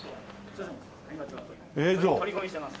取り込みしてます。